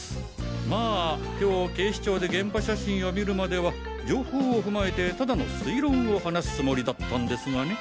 まあ今日警視庁で現場写真を見るまでは情報をふまえてただの推論を話すつもりだったんですがね。